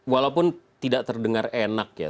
walaupun tidak terdengar enak ya